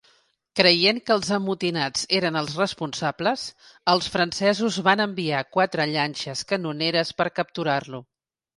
Creient que els amotinats eren els responsables, els francesos van enviar quatre llanxes canoneres per capturar-lo.